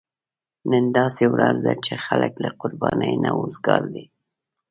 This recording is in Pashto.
نن داسې ورځ ده چې خلک له قربانۍ نه وزګار دي.